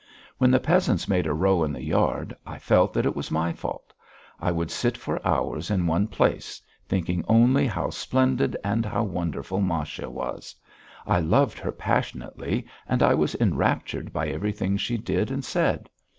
When the peasants made a row in the yard, I felt that it was my fault. I would sit for hours in one place, thinking only how splendid and how wonderful Masha was. I loved her passionately, and I was enraptured by everything she did and said.